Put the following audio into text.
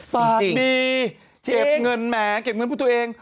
ปากดีเก็บเงินแหมเก็บเงินเพื่อตัวเอง